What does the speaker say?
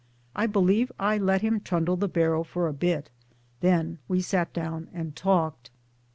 I believe I let him trundle the barrow for a bit ; then we sat down and talked.